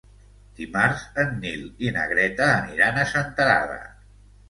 Dimarts en Nil i na Greta aniran a Senterada.